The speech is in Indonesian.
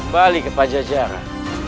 balik ke pajajara